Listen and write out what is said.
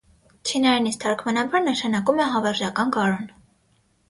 Չինարենից թարգմանաբար նշանակում է «հավերժական գարուն»։